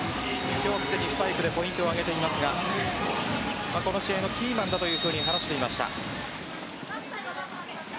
今日すでにスパイクでポイントを挙げていますがこの試合のキーマンだと話していました。